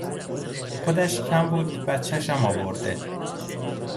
خودش کم بود بچشم آورده